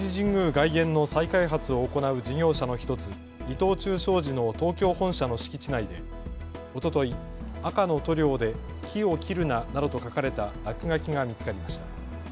外苑の再開発を行う事業者の１つ、伊藤忠商事の東京本社の敷地内でおととい赤の塗料で木を切るななどと書かれた落書きが見つかりました。